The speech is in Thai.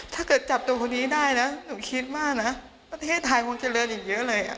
ถ้าเกิดจับตัวคนนี้ได้นะหนูคิดว่านะประเทศไทยคงเจริญอีกเยอะเลย